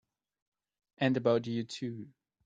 And about you too!